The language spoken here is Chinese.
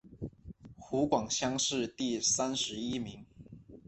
湖广乡试第三十一名。